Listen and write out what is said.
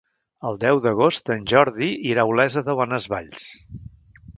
El deu d'agost en Jordi irà a Olesa de Bonesvalls.